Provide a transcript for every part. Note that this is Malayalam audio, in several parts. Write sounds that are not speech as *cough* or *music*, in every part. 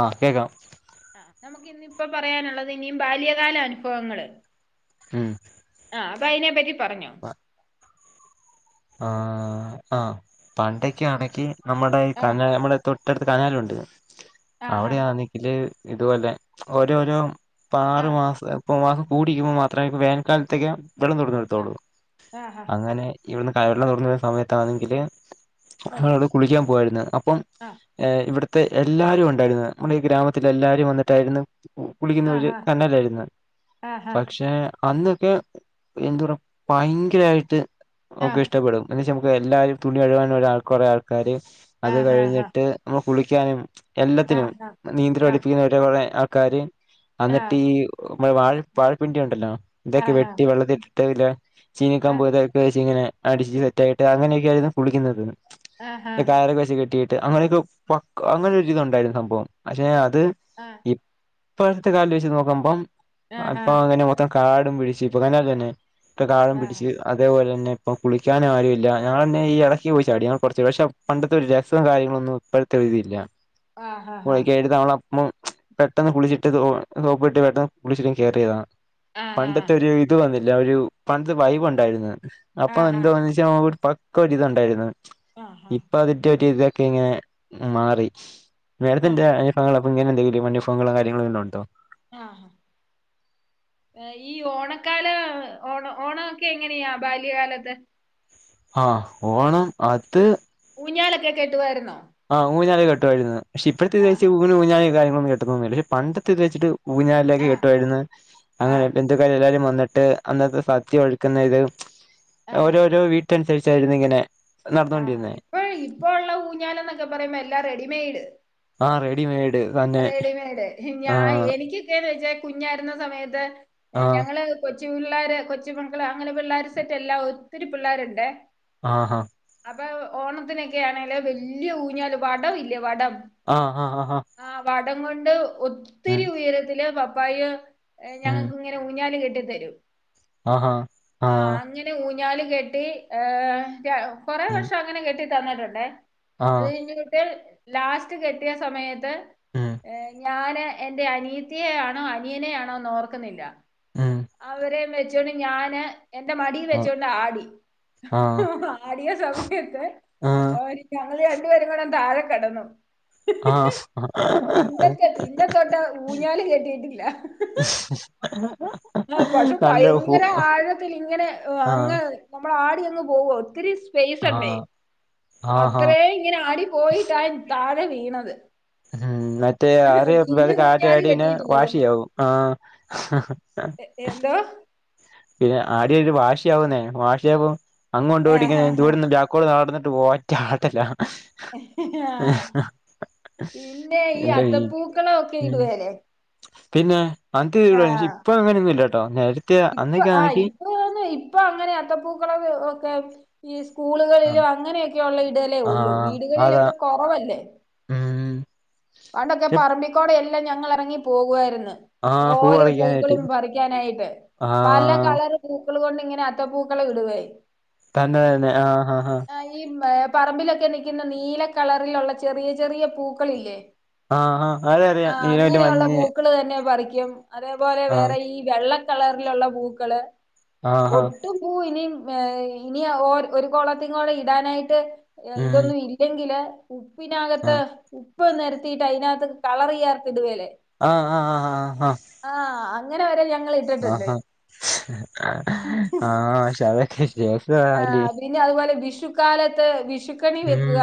ആഹ് കേക്കാം. ആഹ് നമുക്ക് ഇന്നിപ്പോ പറയാനുള്ളത് ഇനിയും ബാല്യകാല അനുഭവങ്ങള്. ഉം ആഹ് അപ്പ അയിനെ പറ്റി പറഞ്ഞോ. പ ആഹ് ആഹ് പണ്ടൊക്കെയാണെങ്കി നമ്മെടെ യി ആഹ് കനാൽ നമ്മെടെ. തൊട്ടടുത്ത് കനാലൊണ്ട് ആഹ് അവെടെയാന്നെങ്കില് ഇതുപോലെ ഓരോരോ ഇപ്പൊ ആറ് ആഹ് മാസം ഇപ്പ മാസം കൂടിനിക്കു മാത്രമേ വേനക്കാലത്തേക്ക് വെള്ളം തൊറന്നു വിട ത്തൊള്ളൂ ആഹ് ആഹ് ആഹ് ആഹ് അങ്ങനെ ഇവെടിന്ന് കനാല് തൊറന്നു വിടുന്ന സമയത്താന്നെങ്കില് ഓ ഞങ്ങെളവിടെ കുളിക്കാൻ പോകുവായിരുന്നു അപ്പം ആഹ് ഏ ഇവിടെത്തെ എല്ലാരും ഒണ്ടാരുന്ന് നമ്മെടെ ഈ ഗ്രാമത്തില്ലെലാരും വന്നിട്ടായിരുന്നു കുളിക്കുന്നോര് ആഹ് കണ്ടില്ലായിരുന്നു ആഹ് പക്ഷേ അന്നൊക്കെ എന്താ പറ ഭയങ്കരായിട്ട് ഒക്കെ ഇഷ്ടപ്പെടും എന്ന് വെച്ചാ നമുക്ക് എല്ലാരും തുണി കഴുകാൻ ഒരാൾക്ക് ഒരാൾക്കാര് അത് ആഹ് കഴിഞ്ഞിട്ട് നമ്മൾ കുളിക്കാനും ആഹ് എല്ലാത്തിനും ആഹ് നീന്തെല് പടിപ്പിക്കുന്നവരെ കൊറെ ആൾക്കാര്. ആഹ് അന്നിട്ട് ഈ വാ വാഴപ്പിണ്ടി ഒണ്ടല്ലോ. ഇതൊക്കെ ആഹ് ആഹ് വെട്ടി വെള്ളത്തിട്ടിട്ട് അതിലേ ചീനിക്കമ്പ് ആഹ് ഇറക്കി വച്ചിങ്ങനെ ഇങ്ങനെ അടിച്ച് സെറ്റായിട്ട് അങ്ങനെയെക്കെയാണ് കുളിക്കണത് ആഹ് ആഹ് ഇപ്പ കയറൊക്കെ വച്ച് കെട്ടീട്ട് അങ്ങനെയൊക്കെ പക് അങ്ങനെ ഒരിതൊണ്ടായിരുന്നു സംഭവം പക്ഷെ അത് ആഹ് ഇ പ്രാവശ്യത്തെ കാല് വെച്ച് ആഹ് ആഹ് നോക്കുമ്പംഅപ്പൊ അങ്ങനെ മൊത്തം കാടും പിടിച്ചു ഇപ്പൊതന്നെല്ലെന്നേ ഇപ്പ ആഹ് ആഹ് കാടും ആഹ് പിടിച്ച് അതേപോലെന്നെ പിന്നെ ഇപ്പം കുളിക്കാൻ ആരുവില്ല ഞങ്ങളെന്നെ ഈ എടക്ക് പോയി ചാടി ഞങ്ങെ കൊറെച്ച് പക്ഷെ പണ്ടത്തെയൊരു രെസവും കാര്യങ്ങളൊന്നും ഇപ്പ ത്തെ തില്ല ആഹ് *unintelligible* മം പെട്ടെന്ന് കുളിച്ചിട്ട് സോപ്പിട്ട് പെട്ടെന്ന് കുളിച്ചിട്ട് ഒന്ന് കേറിതാ പണ്ടത്തെ ഒരു ഇത് വന്നില്ല ഒരു പണ്ടത്തെ വൈബ് ഒണ്ടാരുന്ന് അപ്പൊ ആഹ് എന്തൊന്നി ക്ക ഒരു പക്കരിതൊണ്ടാരുന്നു ആഹ് ആഹ് ഇപ്പൊ അതിന്റൊരു ഇതൊക്കെ ഇങ്ങനെ. മാറി മേഡത്തിന്റെ അനുഭവങ്ങള് അപ്പ ഇങ്ങനെയെന്തെങ്കിലും അനുഭവങ്ങളോ കാര്യങ്ങളോ വെല്ലോം ഒണ്ടോ ആഹ് ഈ ഓണക്കാല ഓണ ഓണൊക്കെ എങ്ങനെയാ ബാല്യകാലത്ത് ആഹ് ഓണം അത് ഊഞ്ഞാലെക്കെ കെട്ടുവാരുന്നോ ആ ഊഞ്ഞാല് കെട്ടുമാരുന്നു പക്ഷെ ഇപ്പഴത്തെയിത് വെച്ച് ആഹ് ഊന ഊഞ്ഞാലും കാര്യങ്ങളൊന്നും കെട്ടതെന്നുമില്ല പക്ഷേ പണ്ടത്തെ ഇത് വെച്ചിട്ട് ഊഞ്ഞാലിലേക്ക് ആഹ് കെട്ടുമാരുന്നു. അങ്ങനെ ആഹ് ബന്ധക്കാരും എല്ലാരും വന്നെട്ട് അന്നക്കെ സദ്യ ഒരുക്കുന്നത്. ആഹ് ഓരോരോ വീ ട്ടനുസരിച്ചാരുന്നു ഇങ്ങനെ നടന്നൊണ്ടിരുന്നെ. ഇപ്പഴി ഇപ്പോ ഒള്ള ഊഞ്ഞാല് എന്നൊക്കെ പറയുമ്പോ, എല്ലാം റെഡിമെഡ്. ആഹ് റെഡിമേഡ് തന്നെ റെഡിമേഡ്. ഞാ എനിക്കൊക്കെയെന്ന് വെച്ചാ കുഞ്ഞാരുന്ന സമയത്ത് ആഹ് ഞങ്ങെള്. കൊച്ചു പിള്ളേര്, കൊച്ചിമക്കെള് അങ്ങനെ പിള്ളേരെ സെറ്റെല്ലാം ഒത്തിരി പിള്ളേരൊണ്ടേ. ആഹ് ഹാ അപ്പ ഓണത്തിനെക്കെയാണെല്‌ വെല്ലാ ഊഞ്ഞാല്, വടം ഇല്ലേ വടം? ആഹ് ആഹ് ആഹ് ആഹ് ആഹ് വടം കൊണ്ട് ഒത്തിരി ഉയരത്തില് പപ്പായ് ഉം ഞങ്ങെക്ക്. നെ ഊഞ്ഞാല് കെട്ടി തെരും. ആഹാ ആഹ് നെ ഊഞ്ഞാല് കെട്ടി, കൊറെ ഉം വർഷം അങ്ങെനെ കെട്ടി തന്നിട്ടൊണ്ടേ. അത് ആഹ് കഴിഞ്ഞിട്ട് ലാസ്റ്റ് കെട്ടിയ സമയത്ത് ഉം ഏ ഞാന് എന്റെ അനീത്തിയെ ആണോ അനിയനെ ആണോ ഓർക്കുന്നില്ല ഉം അവരെ വെച്ചോണ്ട് ഞാന് എന്റെ മടിൽ ആഹ് വെച്ചോണ്ട് ആടി ആഹ് ആടിയ സമയത്ത് ആഹ് ഓ ഞങ്ങള് രണ്ടുപേരും കൂടെ തായെ കെടന്നു ആഹ് പിന്റെത്തെ പിന്റെ തൊട്ട ഊഞ്ഞാല കെട്ടിട്ടില്ല *unintelligible* ആ പക്ഷെ നല്ല ഹൂ ഭയങ്കര ആഴത്തിൽ ഇങ്ങനെ ആഹ് അങ്ങ് നമ്മള ആടി അങ്ങ് പോവ ഒത്തിരി ആ പേസണ്ടേ ആ ഹാ അത്രേ ഇങ്ങനെ ആടി പോയിട്ടാ താഴെ വീണത് പിന്നെ ഊഞ്ഞാല് *unintelligible* കെട്ടിയിട്ടില്ല ഒന്നും വാശിയോ ആ എ എന്തോ പിന്നെ ആടി ആടി വാശിയാവുന്നേ വാശിയാ അങ്ങ ആഹ് കൊണ്ടുപോയി ആഹ് *unintelligible* കൂ നടന്നിട്ട് ഒറ്റ ആട്ടല്ല ആഹ പിന്നെ ഈ അത്തപ്പൂക്കളൊക്കെ ഉം ഇടുവല്ലേ പിന്നെ *unintelligible* ഇപ്പങ്ങനെയൊന്നുംല്ലട്ടോ നേരത്തെ ഇപ്പൊ അന്നൊക്കെ ആഹ് ആണെങ്കി ഇപ്പൊ ഇപ്പൊ അങ്ങനെയാത്ത പൂക്കള ഒ ഒക്കെ ഈ ആ സ്കൂളുകളിലും അങ്ങനെയൊക്കെയ ഉള്ള ഇടലേ ആ ഉള്ളൂ വീടുകളിലൊക്കെ കൊറവല്ലേ ആഹ് പണ്ടൊക്കെ പറമ്പിക്കോടെ എല്ലാം ഞങ്ങൾ ഇറങ്ങി പോകുവായിര്ന്ന് ആ പൂ ഓരോ പറിക്കാനായിട്ട് പൂക്കളും പറിക്കാനായിട്ട് ആ പല കളറ് പൂക്കൾ കൊണ്ട് ഇങ്ങനെ അത്ത പൂക്കളെ ഇടുവായി തന്നെ തന്നെ ആഹ് ആ ആഹ ഈ പറമ്പിലൊക്കെ നിക്കുന്ന നീല കളറിലുള്ള ചെറിയ ചെറിയ പൂക്കളില്ലേ ആഹ് ആഹ് അത അറിയാം നീല മഞ്ഞ് പൂക്കള് തന്നെ പറിക്കും അതേപോലെ ആ വേറെ ഈ വെള്ളക്കളറിലുള്ള പൂക്കള് ആ ആ ഒട്ടും പൂവ് ഇനി ഏ ഇനി ഓ ഒരു കോളത്തി കൊളം ഇടാനായിട്ട് ഉം ഇതൊന്നും ഇല്ലെങ്കില് ഉപ്പിനകത്ത് ആഹ് ഉപ്പ് നേര ത്തിട്ട് അതിനകത്ത് കളർ ചെയ്യാതിടുവേലെ ആഹ് ആഹ് ആ ആ ആഹ ആഹ് അങ്ങനെ വരെ ഞ ആഹ ആഹ് ആഹ് *unintelligible* പിന്നെ അതുപോലെ വിഷുക്കാലത്ത് വിഷുക്കണി ഉം വെക്കുക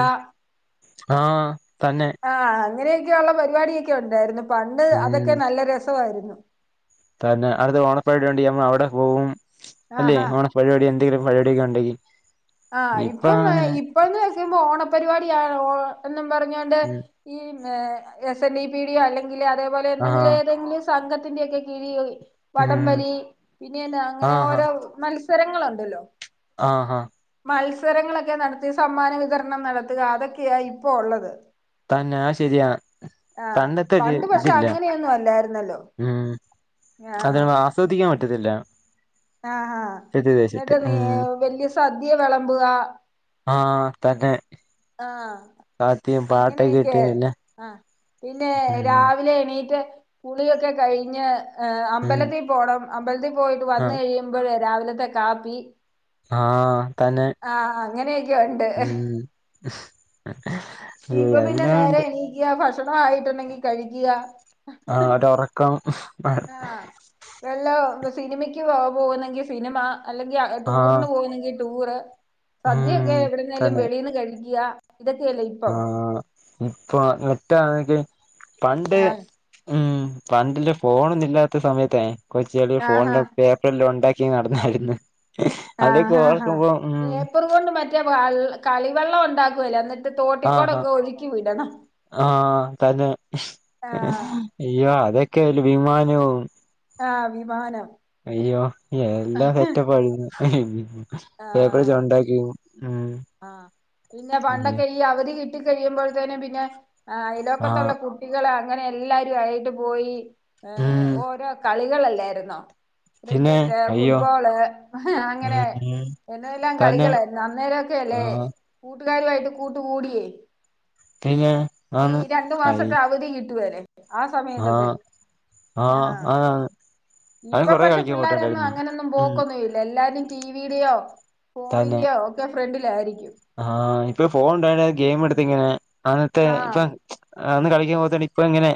ആഹ് തന്നെ ആഹ് അങ്ങനെയൊക്കെയുള്ള പരിപാടിയൊക്കെ ഉണ്ടായിരുന്നു പണ്ട് അതൊക്കെ ഉം നല്ല രസവായിരുന്നു തന്നെ അടുത്ത് ഓണ പെരുവാടി ഉണ്ടേ അവടെ പോവും അല്ലെ ആഹാ ഓണ പരുവാടി എന്തങ്കിലും പരുവാടിയൊക്കെ ഉണ്ടെങ്കി ആഹ് ഇപ്പൊ ഇപ്പം അങ്ങനെ ഇപ്പൊന്ന് വെക്കുമ്പോ ഓണപരിപാടിയാ ഓ എന്നും പറഞ്ഞോണ്ട് ഉം ഈ എസ് എൻ ഡി പി ഡിയോ അല്ലെങ്കില് അതേപോലെ ആഹ് എന്തെങ്കിലും ഏതെങ്കിലും സംഘത്തിന്റൊക്കെ കിഴിൽ വടം ഉം വലി പിന്നെ എന്ന അങ്ങനെ ആഹ് ഓരോ മൽ സ്ഥരങ്ങളുണ്ടല്ലോ ആഹ് ആഹ് മത്സരങ്ങളൊക്കെ നടത്തി സമ്മാന വിതരണം നടത്തുക അതൊക്കെയാ ഇപ്പോ ഒള്ളത് തന്നാ ആ ശെരിയാ ആഹ് പണ്ട് പക്ഷെ അങ്ങനെയൊന്നും അല്ലായിരുന്നല്ലോ ആഹ് ശ്രദ്ധിക്കാൻ പറ്റത്തില്ല ആഹ് ആഹ് വെച്ചിട്ട് എന്നിട്ട് നീ ഉം വല്യ സദ്യ വെളമ്പുക ആഹ് തന്നെ ആഹ്. കാത്തിയും പാട്ടൊക്കെ അങ്ങനെക്കെ ഇട്ട് എല്ലാം ആഹ് പിന്നെ ഉം രാവിലെ എണീറ്റ് കുളിയൊക്കെ കഴിഞ്ഞ് ഏഹ് ഉം അമ്പലത്തി പോണം അമ്പലത്തി പോയിവന്ന് ആഹ് കഴി യുമ്പളെ രാവിലത്തെ കാപ്പി ആഹ് തന്നെ ആഹ് അങ്ങനെയൊക്കെ ഒണ്ട്. ഉം *inaudible* എല്ലാം ഉണ്ട്. ക്ക്യാ ഭക്ഷണമായിട്ടുണ്ടെങ്കി കഴിക്ക്യാ ആഹ് ഒരൊറക്കം ആഹ് വല്ല സിനിമയ്ക്ക് പോ പോകുന്നെങ്കിൽ സിനിമ അല്ലെങ്കിൽ ആഹ് ടൂറിന് പോകുന്നെങ്കി ടൂറ് ഉം സദ്യക്കെ എവിടെന്നായാലും തന്നെ വെളിന്ന് കഴിക്കുക ഇതൊക്കെയല്ലേ ഇപ്പം ഇപ്പ മറ്റാണെക്ക് പണ്ട് ആഹ് ഹ്മ്മ് പണ്ടില്ല ഫോണൊന്നും ഇല്ലാത്ത സമയത്തെ കൊച്ചികള് ആഹ് ഫോണിലക്കെ വല്ലോ ഉണ്ടാക്കി നടന്നായിരുന്നു അതൊക്കെ ആഹ് ആഹ് ആഹ് ഓർക്കുമ്പം ഹ്മ്മ് *unintelligible* കൊണ്ട് മറ്റേ കളിവള്ളം ഉണ്ടാക്കുവല്ലോ എന്നിട്ട് ആഹ് ആഹ് തോട്ടിക്കോടൊക്കെ ഒഴുക്കി വിടണം ആഹ് തന്നെ ഏഹ് ആഹ് അയ്യോ അതൊക്കെ അല്ലേ വിമാനം ആഹ് വിമാനം. അയ്യോ എല്ലാം സെറ്റപ്പാഴിരുന്ന് ആഹ് ആഹ് പിന്നെ അയ്യോ പണ്ടൊക്കെ ഈ അവധി കി ട്ടി കഴിയുമ്പോഴ്ത്തേനും പിന്നെ ഈ ആഹ് അയലക്കത്തുള്ള കു കുട്ടികള് അങ്ങനെ എല്ലാരും ആയിട്ട് പോയി ഏഹ് ഉം ഓരോ കളികളല്ലായിരുന്നോ പിന്നെ ക്രിക്കറ്റ്, അയ്യോ ഫുട്ബോള് ഉം അങ്ങനെ ഉം ഇന്തേല്ലാം തന്നെ കളികളായിരുന്നു ആ അന്നേരൊക്കെല്ലെ കൂട്ടുകാരുവായിട്ട് കൂട്ട് കൂടിയേ പിന്നെ ഈ ആന്ന് രണ്ടു ആയി മാസൊക്കെ അവധി കിട്ടു വല്ലെ ആ സമയത്തൊക്കെ ആ ആഹ് ആന്ന് അവൻ ഇപ്പ കൊറെ പക്ഷെ കളിക്കാൻ പിള്ളാരൊന്നും പോയിട്ടുണ്ടായിരുന്നു അങ്ങനൊന്നും ഉം പോക്കൊന്നും ല്ല എല്ലാരും ടിവിടെയോ ഫോണിന്റെയോ ഒക്കെ ഫ്രണ്ടിലായിരിക്കും. ആഹ് ഇപ്പഫോൺ ഇണ്ടായോണ്ട് ഗെയിം എടുത്തിങ്ങനെ അന്നത്തെ ആഹ് ഇപ്പ അന്ന് കളിക്കാൻ പോവാത്തതിന് ഇപ്പങ്ങനെ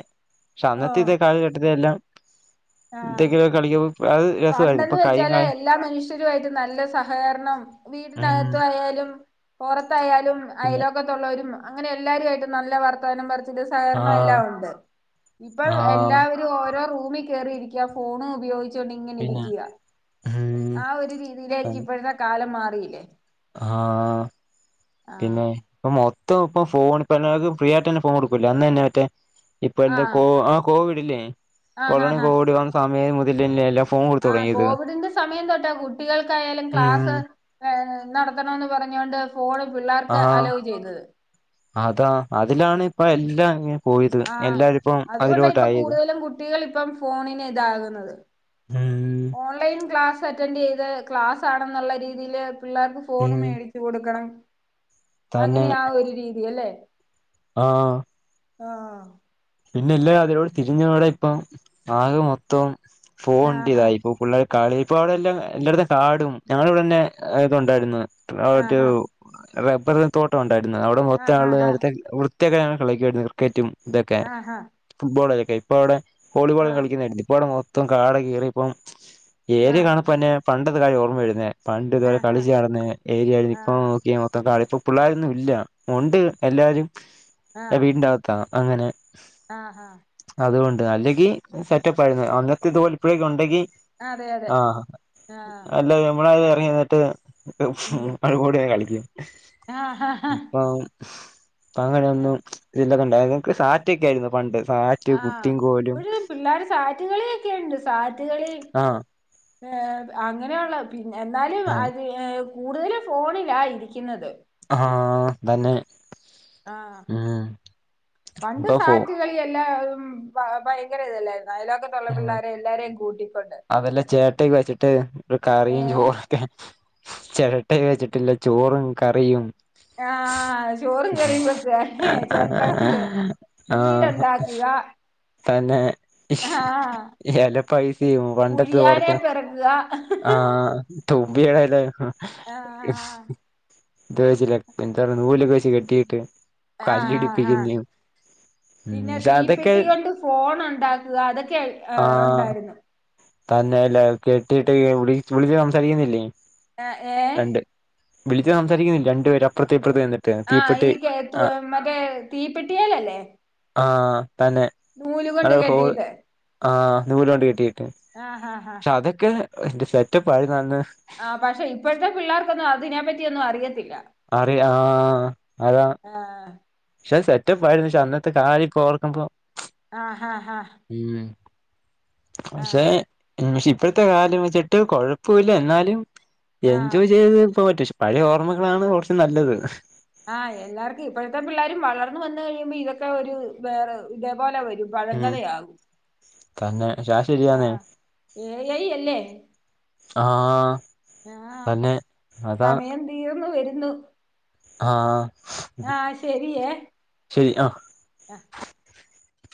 പക്ഷെ അന്നത്തെ ഓഹ് ഈ കാലഘട്ടത്തിലെല്ലാം ആഹ് എന്തെങ്കിലൊക്കെ കളിക്കൂ പ്പ അഅ്. പണ്ടെന്ന് വെച്ചാല് എല്ലാ മനുഷ്യരുയിട്ട് നല്ല സഹകരണം. ഉം വീടിനകത്തു ആയാലും. പെറത്തായാലും പിന്നെ അയലോകത്തുള്ളോരും അങ്ങനെ എല്ലാരു ആയിട്ട് നല്ല വർത്തമാനം പ ണ്ട് ആ സഹകരണം എല്ലാം ഉണ്ട് ഇപ്പ ആ എല്ലാവരും ഓരോ റൂമിൽ. കേറിയിരിക്കൃ ഫോണ് ഉപയോഗിച്ചോണ്ട് ഇങ്ങനെ പിന്നെ ഇരിക്കൃക. ഉം ആഹ് ഒര് രീതിയിലേക്ക് ഇപ്പഴത്തെ കാലം മാറിയില്ലേ. ആഹ് ആഹ് പിന്നെ. ഇപ്പം മൊത്തം ഇപ്പോ ഫോൺ പെണ്ണ്ങ്ങക്ക് ഫ്രീ ആയിട്ട് തന്നെ ഫോൺ കൊട്ക്കൂല്ലേ അന്ന്ന്നെ മറ്റേ ആഹ് ഇപ്പന്ത്ക്കോ. കോവിഡ്ല്ലേ ആഹ് കൊറോണ കോവിഡ് വന്ന സമയം മുതലല്ലോ എല്ലാ ആഹ് കോവിഡിന്റെ സമയം തെട്ടാ കുട്ടികൾക്കായാലും ക്ലാസ്. ഏ നടത്തണോന്ന് പറഞ്ഞോണ്ട് ഫോൺ പിള്ളേർക്ക് ആഹ് അലവ് ചെയ്തത്. അതാ അതിലാണ് ഇപ്പ എല്ലാം. പോയത് ആഹ് എല്ലാരും ഇപ്പം അതു കൊണ്ട ഇപ്പ അതിലോട്ടായത് കൂടുതലും കുട്ടികൾ ഇപ്പം ഫോണിന് ഇതാകുന്നത് അം. ഓൺലൈൻ ക്ലാസ്സ് അറ്റൻഡ് ചെയ്ത് ക്ലാസ് ആണെന്നുള്ള രീതിയില്. പിള്ളേർക്ക് ഫോണ് ഉം മേടിച്ചു കൊടുക്കണം തന്നെ അങ്ങനെയാ ആഹ് ഒരു രീതി അല്ലേ. ആഹ്. ആഹ്. പിന്നെ ഇല്ല അതിരോട് തിരിഞവിടെ ഇപ്പം ആകെ മൊത്തം ഫോണ്‍ണ്ട ആഹാ ഇതായിപ്പ പിള്ളേ കാളി *unintelligible* എല്ലാം എല്ലായിടത്തും കാടും ഞങ്ങളിവിടെ തന്നെ ഇത്ണ്ടായിരുന്നു ആഹ് മറ്റേ ആഹാ റബ്ബർ തോട്ടം ഉണ്ടായിര്ന്നു അവിടെ മൊത്ത ആഹാ ആൾ ഹാ നേരത്തെ വൃത്തിയക്കരാണ് കളിക്കായിര്ന്നു ക്രിക്കറ്റും ഇതൊക്കെ. ആഹ്. ഫുട്ബോളൊക്കെ ഇപ്പ അവ്ടെ വോളിബോള് കളിക്ക്ന്നുണ്ട് ഇപ്പവിടെ മൊത്തം കാട് കേറി ഇപ്പം. ആ ഏര്യ കാണപ്പ അന്നെ പണ്ടത്തെ കാര്യം ഓർമ്മ വരുന്നേ. പണ്ട് കാലം ആഹാ കളിച്ച് നടന്നെ ഏര്യ ആയിരിന്നു ആ ഇപ്പം നോക്കിയെ മൊത്തം കളിപ്പും. പിള്ളോര് ഒന്നും ഇല്ല ഒണ്ട് എല്ലാരും വീടിന്റെ അകത്താ അങ്ങനെ. ആഹ് ആഹ്. അത് കൊണ്ട് അല്ലെങ്കിൽ സെറ്റപ്പ് ആയിരുന്നു അന്നത്തെ തോൽ ഇപ്പഴേക്കെ ഒണ്ടെങ്കി അതെ അതെ ആഹ് ആ അല്ല നമ്മള എറങ്ങി നിന്നിട്ട്. ഉം *unintelligible* കളിക്കും ആഹാ ഇപ്പം. അപ്പ അങ്ങനെ ആ ഒന്നും ഇതില് ഒക്കെ ഒണ്ടായിരുന്നു സാറ്റക്കെ ആയിരുന്നു പണ്ട് സ ആഹ ഇപ്പഴ് പിള്ളേര് സാറ്റ് കളി എക്കെ എണ്ട് സാറ്റ്കളി. ആഹ് ഏ അങ്ങനെ ഒള്ള പിന്നെ എന്നാലും ആഹ് അത് ഏ കൂടുതല് ഫോണിലാ ഇരിക്ക്ന്നത്. ആഹ തന്നെ ആഹ് ഉം ഇപ്പ ഫോ ഇപ്പയ്യ് എല്ലാം ഭ ഭയങ്കര ഇത് അല്ലായിരുന്നോ അയലൊക്കം. ഉം അതല്ലേ ചേട്ടേ വെച്ചിട്ട് ഒരു കറിയും ഏഹ് ചോറ്. ചെരട്ട വെച്ചിട്ട് ഒള്ള ചോറും കറിയും. ആഹ് ചോറും കറിയും വെക്ക് ചെരട്ട കൊണ്ട്. വീട് ആഹ് ണ്ടാക്കുക. തന്നെ. എല പൈസയും പണ്ടത്തെ പുഴിയാനെ ഓർക്കും പെറുക്കുക ആഹ് തോബിടെ എലയിര്ന്നു. ആഹ് ഇതുവാ ചെലപ്പ എന്താണ് നൂല് വെച്ച് കെട്ടിയിട്ട്. ആഹ് ആഹ് ആഹ് ആഹ് കല്ലിടിപ്പിക്കുന്നേ ഉം പിന്നെ അതക്കെ. തീപ്പെട്ടി കൊണ്ട് ഫോൺ ഇണ്ടാക്കുക അതൊക്കെ ഉണ്ടായിരുന്നു. തന്നെലേ കെട്ടിയിട്ട് വി വിളിച്ചു വിളിച്ച് സംസാരിക്കുന്നില്ലേ. ആ ഏ രണ്ട് വിളിച്ച് സംസാരിക്കുന്നില്ലെ. രണ്ട് പേരും അപ്പറ്ത്തും ഇപ്പറ്ത്തും *unintelligible* ആഹ് ഈ കേ മറ്റെ തീപ്പെട്ട്യേലെല്ലെ. ആഹ് തന്നെ. അത് കൊണ്ട് ഒരു ഹോൾ കെട്ടിയിട്ട് ആ നൂലോണ്ട് കെട്ടിയിട്ട്. ആഹ് ആഹ ആഹ് തതൊക്കെ ഇന്റെ സെറ്റപ്പ് ആയിരുന്നു അന്ന്. ആ പക്ഷെ ഇപ്പഴത്തെ പിള്ളേർക്ക് ഒന്നും അതിനെ പറ്റി ഒന്നും അറിയത്തില്ല. അറിയ ആ ആരാ. ആഹ് പക്ഷെ സെറ്റപ്പ് ആയിരുന്നു. പക്ഷെ അന്നത്തെ കാര്യ ഒക്കെ ഓർക്കുമ്പോ. ആഹ് ആഹ് ആഹ് ഉം പക്ഷെ. ആഹ് ഉം പക്ഷ്യ ഇപ്പഴത്തെ കാലം വെച്ചിട്ട് കൊഴപ്പുല്ല. എന്നാലും ആഹ് എൻജോയ് ചെയ്ത് പോവാൻ പറ്റുശു. പഴേ ഓർമ്മകളാണ് കൊറച്ച് നല്ലത്. ആഹ് എല്ലാർക്കും ഇപ്പഴത്തെ പിള്ളേരും വളർന്ന് വന്ന് കഴിയുമ്പി ഇതൊക്കെ ഒരു വേറെ ഇതേപോലെ വെരും. ഉം വഴങ്കരയാകും. തന്നെ പക്ഷെ അത് ശരിയാന്നെ ആഹ് ഏ ഐ അല്ലേ. ആഹ് ആഹ് തന്നെ അതാ സമയം തീർന്നു വരുന്നു. ആഹ് ആഹ് ശരിയേ ശരി ആ.